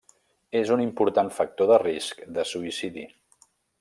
És un important factor de risc de suïcidi.